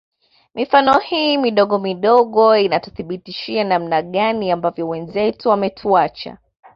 Mifano hii midogo midogo inatuthibitishia namna gani ambavyo wenzetu wametuacha